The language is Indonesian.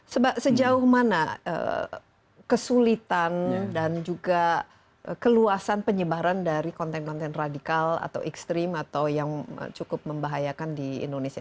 sejauh mana kesulitan dan juga keluasan penyebaran dari konten konten radikal atau ekstrim atau yang cukup membahayakan di indonesia